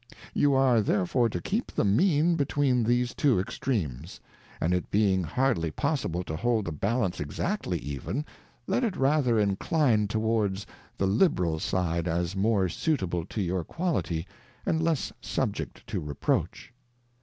You are there fore to keep the Mean between these two Extremes, and it being hardly possible to hold the Balance exactly even, let it rather incline towards the Liberal side as more suitable to your Quality, and less subject to Reproach.